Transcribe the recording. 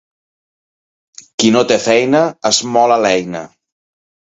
Qui no té feina, esmola l'eina.